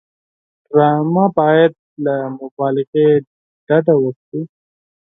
ډرامه باید له مبالغې ډډه وکړي